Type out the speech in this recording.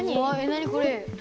何これ。